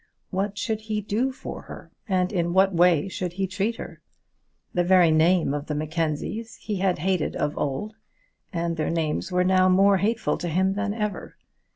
What should he do for her, and in what way should he treat her? The very name of the Mackenzies he had hated of old, and their names were now more hateful to him than ever.